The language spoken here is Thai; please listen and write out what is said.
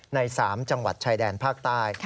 ใน๓จังหวัดชายแดนภาคใต้